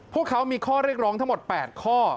พวกเขามีข้อเรียกร้องทั้งหมด๘ข้อ